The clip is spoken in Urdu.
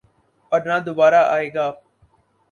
اور نہ دوبارہ آئے گا۔